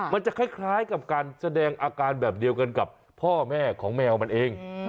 มันจะคล้ายกับการแสดงอาการแบบเดียวกันกับพ่อแม่ของแมวมันเอง